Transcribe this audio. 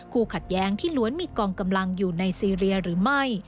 ขัดแย้งที่ล้วนมีกองกำลังอยู่ในซีเรียหรือไม่